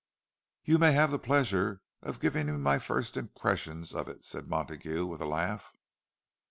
"You may have the pleasure of giving me my first impressions of it," said Montague, with a laugh.